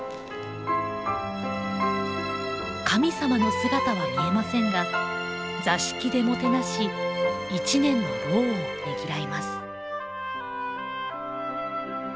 神様の姿は見えませんが座敷でもてなし一年の労をねぎらいます。